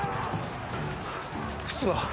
クソ。